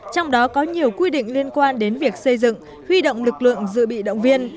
trong đó có nhiều quy định liên quan đến việc xây dựng huy động lực lượng dự bị động viên